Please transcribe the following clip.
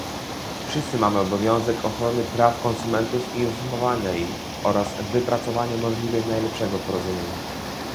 Wszyscy mamy obowiązek ochrony praw konsumentów i informowania ich oraz wypracowania możliwie najlepszego porozumienia